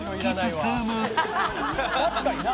「確かにな。